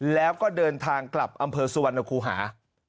แล้วก็เดินทางกลับอำเภอสุวรรณคูหา